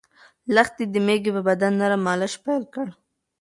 لښتې د مېږې په بدن نرمه مالش پیل کړ.